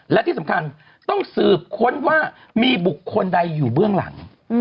และที่สำคัญต้องสืบค้นว่ามีบุคคลใดอยู่เบื้องหลัง